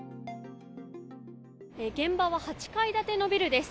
現場は８階建てのビルです。